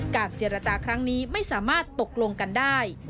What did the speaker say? เจรจาครั้งนี้ไม่สามารถตกลงกันได้